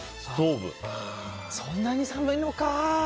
そんなに寒いのか。